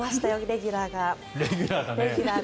レギュラーだね。